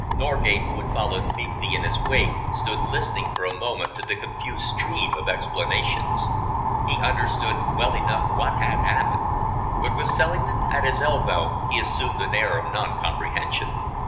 Norgate, who had followed meekly in his wake, stood listening for a moment to the confused stream of explanations. He understood well enough what had happened, but with Selingman at his elbow he assumed an air of non comprehension.